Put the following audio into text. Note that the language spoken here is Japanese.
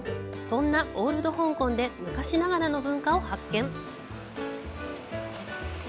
そんなオールド香港で昔ながらの文化を発見！